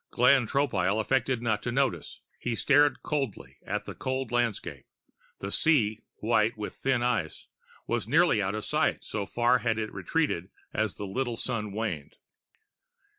Glenn Tropile affected not to notice. He stared coldly out at the cold landscape. The sea, white with thin ice, was nearly out of sight, so far had it retreated as the little sun waned.